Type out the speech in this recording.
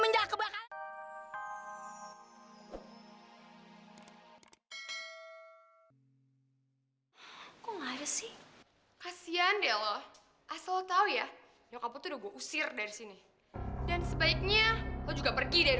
jadi lo diam aja deh